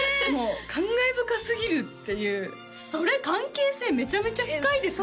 感慨深すぎるっていうそれ関係性めちゃめちゃ深いですね？